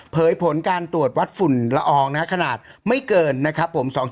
ผลการตรวจวัดฝุ่นละอองนะครับขนาดไม่เกินนะครับผม